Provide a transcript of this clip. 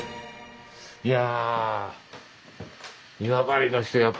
いや。